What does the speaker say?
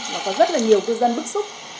và có rất là nhiều cư dân bức xúc